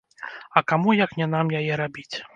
А каму як не нам яе рабіць?